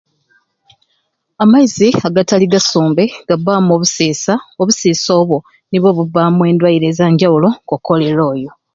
Amaizi agatali gasumbe gabamu obusiisa obusiisa obo nibwo bubamu endweire ezanjawulo nko cholera oyo